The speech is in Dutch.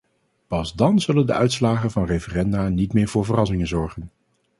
Pas dan zullen de uitslagen van referenda niet meer voor verrassingen zorgen.